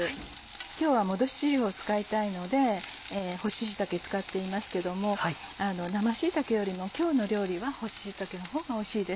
今日は戻し汁を使いたいので干し椎茸使っていますけども生椎茸よりも今日の料理は干し椎茸のほうがおいしいです。